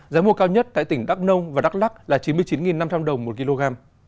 giá mùa cao nhất tại tỉnh đắk nông và đắk lắc là chín mươi chín năm trăm linh đồng một kg